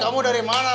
kamu dari mana